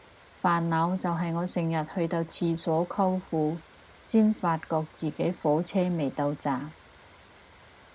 煩惱就係我成日去到廁所摳褲先發覺自己火車未到站